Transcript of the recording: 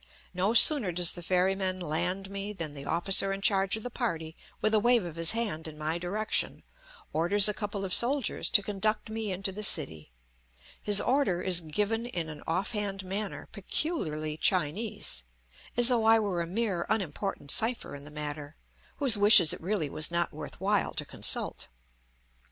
No sooner does the ferryman land me than the officer in charge of the party, with a wave of his hand in my direction, orders a couple of soldiers to conduct me into the city; his order is given in an off hand manner peculiarly Chinese, as though I were a mere unimportant cipher in the matter, whose wishes it really was not worth while to consult.